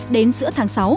đến giữa tháng sáu